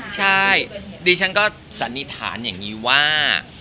ใช่ดิฉันก็สันนิษฐานอย่างนี้ว่า